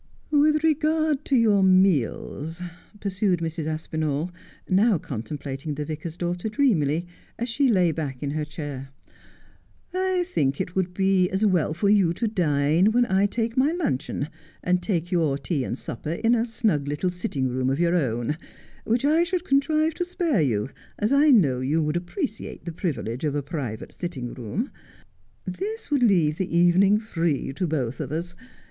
' With regard to your meals,' pursued Mrs. Aspinall, now con templating the vicar's daughter dreamily, as she lay back in her chair, ' I think it would be as well for you to dine when I take my luncheon, and take your tea and supper in a snug little sitting room of your own, which I should contrive to spare you, as I know you would appreciate the privilege of a private sitting room. This would leave the evening free to both of us.